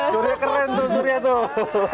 suria keren tuh suria tuh